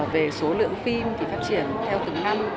về số lượng phim thì phát triển theo từng năm